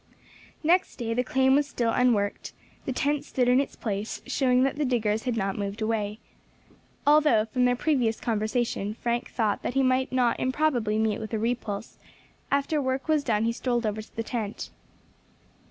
Next day the claim was still unworked; the tent stood in its place, showing that the diggers had not moved away. Although, from their previous conversation, Frank thought that he might not improbably meet with a repulse, after work was done he strolled over to the tent.